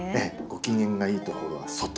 ご機嫌がいいところは外。